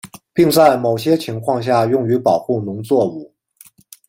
并在某些情况下用于保护农作物。